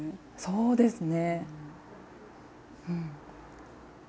そうですね。